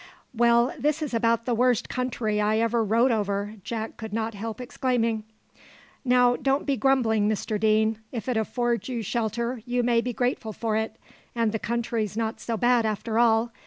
"Well, this is about the worst country I ever rode over!" Jack could not help exclaiming. "Now, don't be grumbling, Mr Deane; if it affords you shelter, you may be grateful for it: and the country's not so bad after all.